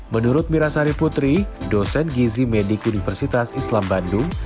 menurut mirasari putri dosen gizi medik universitas islam bandung